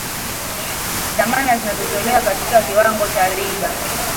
dhamana zinatolewa katika kiwango cha riba